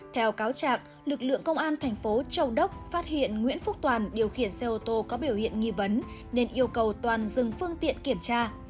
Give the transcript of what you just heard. theo cáo trạng lực lượng công an thành phố châu đốc phát hiện nguyễn phúc toàn điều khiển xe ô tô có biểu hiện nghi vấn nên yêu cầu toàn dừng phương tiện kiểm tra